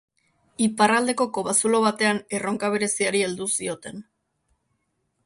Iparraldeko kobazulo batean erronka bereziari heldu zioten.